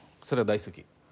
それ大好き。